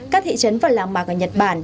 các thị trấn và làng mạc ở nhật bản